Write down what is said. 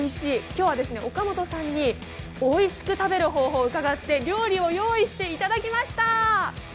今日は岡本さんにおいしく食べる方法を伺って料理を用意していただきました。